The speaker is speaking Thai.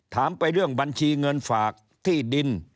ถามไปเรื่องบัญชีเงินฝากที่ดิน